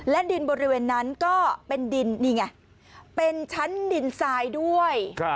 ดินบริเวณนั้นก็เป็นดินนี่ไงเป็นชั้นดินทรายด้วย